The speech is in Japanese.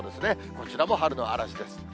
こちらも春の嵐です。